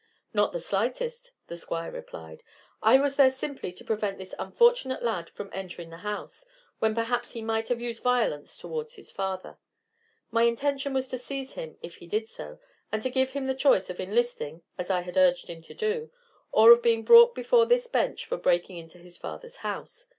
"Not the slightest," the Squire replied. "I was there simply to prevent this unfortunate lad from entering the house, when perhaps he might have used violence towards his father. My intention was to seize him if he did so, and to give him the choice of enlisting, as I had urged him to do, or of being brought before this bench for breaking into his father's house.